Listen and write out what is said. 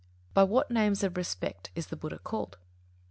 _By what names of respect is the Buddha called?